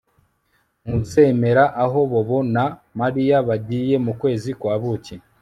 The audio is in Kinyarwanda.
Ntuzemera aho Bobo na Mariya bagiye mu kwezi kwa buki